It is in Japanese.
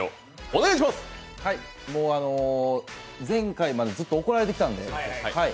前回までずっと怒られてきたんで。